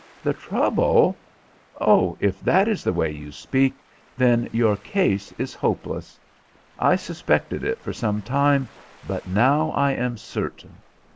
"The trouble! Oh, if that is the way you speak, then your case is hopeless! I suspected it for some time, but now I am certain.